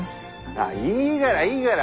ああいいがらいいがら。